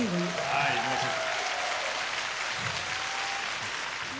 はいいきましょう。